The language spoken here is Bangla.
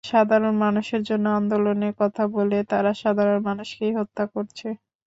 সাধারণ মানুষের জন্য আন্দোলনের কথা বলে তারা সাধারণ মানুষকেই হত্যা করেছে।